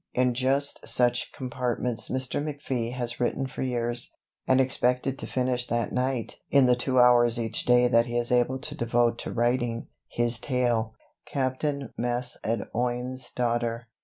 In just such compartments Mr. McFee has written for years, and expected to finish that night (in the two hours each day that he is able to devote to writing) his tale, "Captain Macedoine's Daughter."